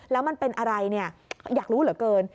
แล้วมันเป็นอะไรเนี่ยอยากรู้เหลือเกิน